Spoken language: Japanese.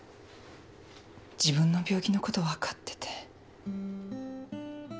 自分の病気のこと分かってて。